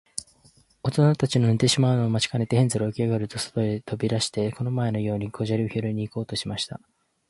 おとなたちの寝てしまうのを待ちかねて、ヘンゼルはおきあがると、そとへとび出して、この前のように小砂利をひろいに行こうとしました。